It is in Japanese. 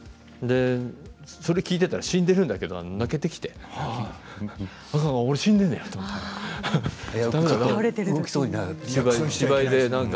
それを聞いたら死んでいるんだけども泣けてきて俺は死んでんねんと思って芝居で。